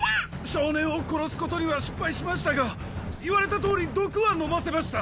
少年を殺すことには失敗しましたが言われたとおり毒は飲ませました。